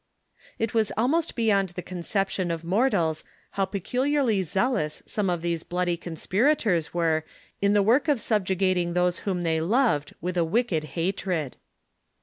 It is almost beyond the conception of mortals how pecu liarly zealous some of these bloody conspirators were in the work of subjugating those whom they loved with a wicked hatred.